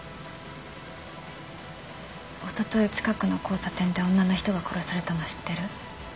おととい近くの交差点で女の人が殺されたの知ってる？